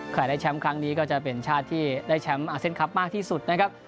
ได้แชมป์ครั้งนี้ก็จะเป็นชาติที่ได้แชมป์อาเซียนคลับมากที่สุดนะครับ